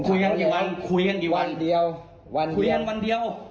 คุยกันกี่วันคุยกันกี่วันเดียววันคุยกันวันเดียว